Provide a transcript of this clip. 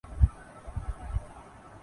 voice of America سے گفتگو کرتے ہوئے